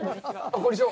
こんにちは。